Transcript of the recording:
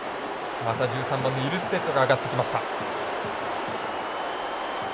また１３番のイルステッドが上がってきました。